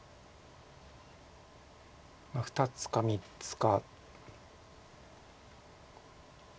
２つか３つか。